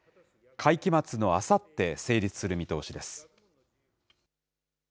会期末のあさって、成立する見通しです。